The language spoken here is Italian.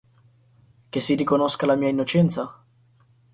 Che si riconosca la mia innocenza?